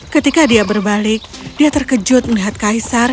ketika dia berbalik dia terkejut melihat kaisar